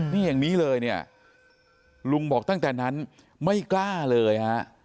นี่อย่างนี้เลยเนี่ยลุงบอกตั้งแต่นั้นไม่กล้าเลยฮะ